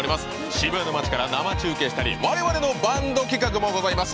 渋谷の街から生中継したりわれわれのバンド企画もございます。